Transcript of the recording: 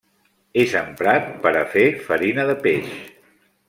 És emprat per a fer farina de peix.